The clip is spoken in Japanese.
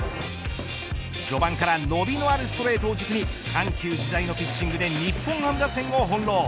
序盤から伸びのあるストレートを軸に緩急自在のピッチングで日本ハム打線を翻弄。